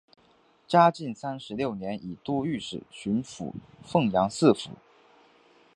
嘉靖三十六年以都御史巡抚凤阳四府。